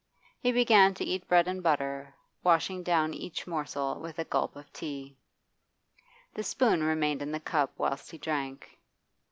He began to eat bread and butter, washing down each morsel with a gulp of tea. The spoon remained in the cup whilst he drank.